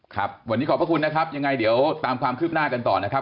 ครับวันนี้ขอบพระคุณนะครับยังไงเดี๋ยวตามความคืบหน้ากันต่อนะครับ